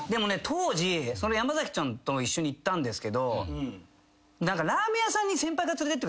当時山崎ちゃんと一緒に行ったんですけど何かラーメン屋さんに先輩が連れてって。